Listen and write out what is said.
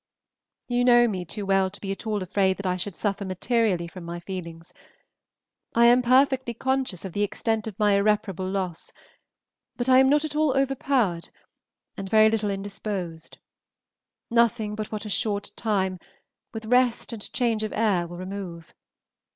You know me too well to be at all afraid that I should suffer materially from my feelings; I am perfectly conscious of the extent of my irreparable loss, but I am not at all overpowered and very little indisposed, nothing but what a short time, with rest and change of air, will remove.